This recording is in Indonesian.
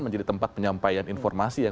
menjadi tempat penyampaian informasi yang